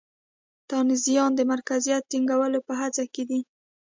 تانزانیا د مرکزیت د ټینګولو په هڅه کې دی.